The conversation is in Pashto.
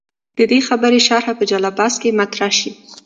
د دې خبرې شرحه په جلا بحث کې مطرح شي.